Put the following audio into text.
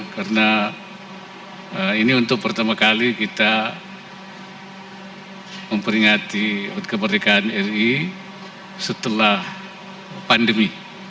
karena ini untuk pertama kali kita memperingati kemerdekaan ri setelah pandemi